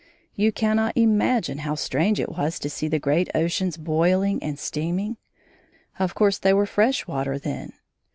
You cannot imagine how strange it was to see the great oceans boiling and steaming; of course, they were fresh water then.